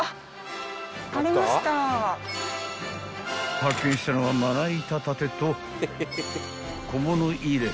［発見したのはまな板立てと小物入れ］